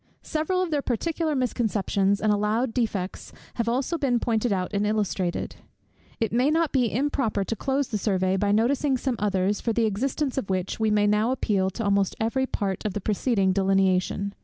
Several of their particular misconceptions and allowed defects have also been pointed out and illustrated. It may not be improper to close the survey by noticing some others, for the existence of which we may now appeal to almost every part of the preceding delineation.